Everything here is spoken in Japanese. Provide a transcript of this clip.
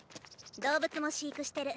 動物も飼育してる。